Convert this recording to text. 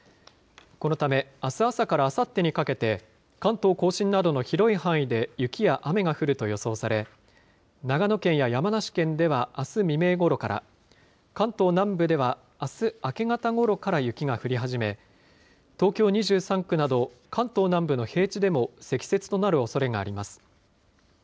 このため、あす朝からあさってにかけて、関東甲信などの広い範囲で雪や雨が降ると予想され、長野県や山梨県ではあす未明ごろから、関東南部ではあす明け方ごろから雪が降り始め、東京２３区など、関東南部の平地でも積雪となるおそれがあります。